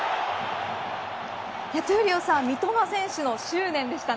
闘莉王さん三笘選手の執念でしたね。